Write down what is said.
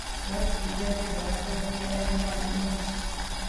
Lucky Dube yavugaga ko yemera Imana imwe gusa